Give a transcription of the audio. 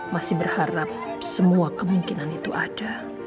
masih berharap semua kemungkinan itu ada